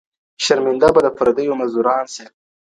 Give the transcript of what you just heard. شرمنده به د پردیو مزدوران سي.